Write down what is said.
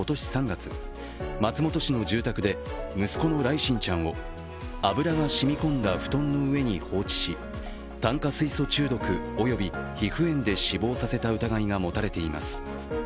息子の來心ちゃんを油が染み込んだ布団の上に放置し、炭化水素中毒及び皮膚炎で死亡させた疑いが持たれています。